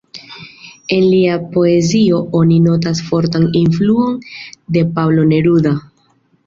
En lia poezio oni notas fortan influon de Pablo Neruda.